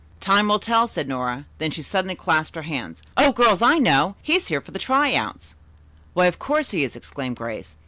"Time will tell," said Nora. Then she suddenly clasped her hands. "O girls, I know! He's here for the try out!" "Why of course he is," exclaimed Grace.